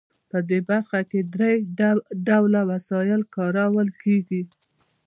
په دې برخه کې درې ډوله وسایل کارول کیږي.